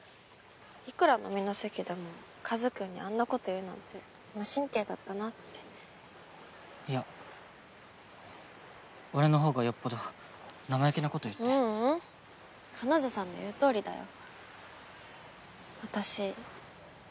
いくら飲みの席でも和くんにあんなこと言うなんて無神経だったなっていや俺のほうがよっぽど生意気なこと言ってううん彼女さんの言うとおりだよ